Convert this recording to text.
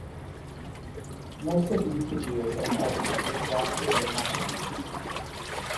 Most of the Yukaghirs at present speak Yakut and Russian.